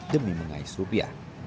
demi mengais rupiah